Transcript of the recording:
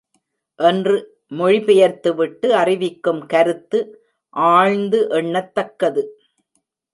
என்று மொழி பெயர்த்துவிட்டு அறிவிக்கும் கருத்து ஆழ்ந்து எண்ணத் தக்கது.